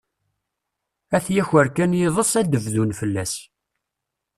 Ad t-yaker kan yiḍes, ad d-bdun fell-as.